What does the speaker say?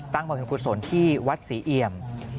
ตั้งมาเป็นกุศลที่วัดศรีเอียม